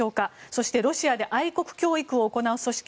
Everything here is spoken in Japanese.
そしてロシアで愛国教育を行う組織